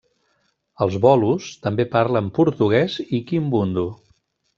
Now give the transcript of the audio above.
Els bolos també parlen portuguès i kimbundu.